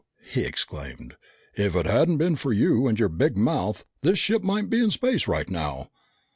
he exclaimed. "If it hadn't been for you and your big mouth, this ship might be in space right now!"